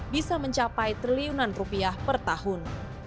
bisa mencapai triliunan rupiah per tahun